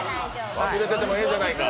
忘れててもええじゃないか。